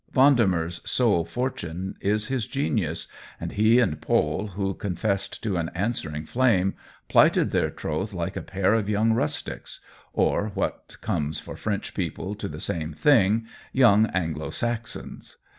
Vendemer's sole fortune is his genius, and he and Paule, who confessed to an answering flame, plighted their troth like a pair of young rustics or (what comes for French people to the same thing) young Anglo Saxons.